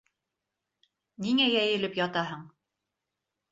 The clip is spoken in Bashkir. Ниңә йәйелеп ятаһың?